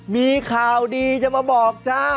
มีข่าวดีจะมาบอกจ้า